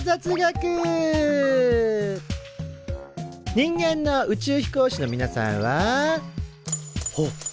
人間の宇宙飛行士のみなさんはほっ